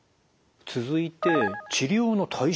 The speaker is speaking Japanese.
続いて治療の対象。